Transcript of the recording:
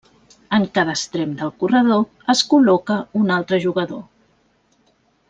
En cada extrem del corredor es col·loca un altre jugador.